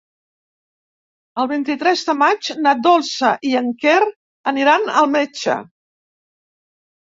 El vint-i-tres de maig na Dolça i en Quer aniran al metge.